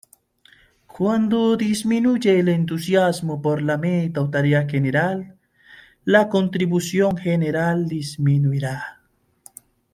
Cuando disminuye el entusiasmo por la meta o tarea general, la contribución general disminuirá.